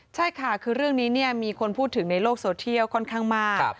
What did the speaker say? ใช่ค่ะคือเรื่องนี้มีคนพูดถึงในโลกโซเทียลค่อนข้างมาก